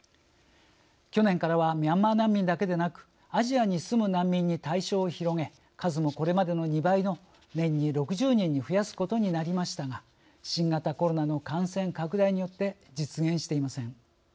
去年からはミャンマー難民だけでなくアジアに住む難民に対象を広げ数もこれまでの２倍の年に６０人に増やすことになりましたが新型コロナの感染拡大によって実現していません。